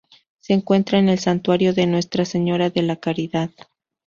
Se encuentra en el santuario de Nuestra Señora de la Caridad.